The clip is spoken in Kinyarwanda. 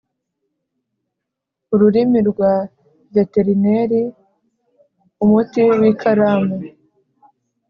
ururimi rwa veterineri, umuti w’ikaramu,